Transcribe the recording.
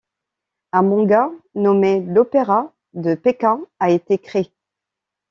Un manga nommé l'Opéra de Pékin a été créé.